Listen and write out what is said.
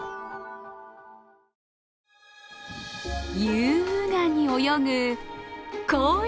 優雅に泳ぐ鯉。